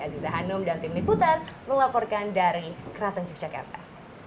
aziza hanum dan tim liputan mengaporkan dari kraton yogyakarta